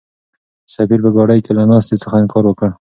سفیر په ګاډۍ کې له ناستې څخه انکار وکړ.